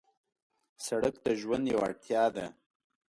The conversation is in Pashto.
سړک د ژوند یو اړتیا ده.